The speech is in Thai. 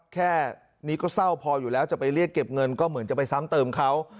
แค่นี้ก็เศร้าพออยู่แล้วจะไปเรียกเก็บเงินก็เหมือนจะไปซ้ำเติมเขา